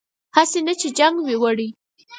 هسې نه چې جنګ وي وړی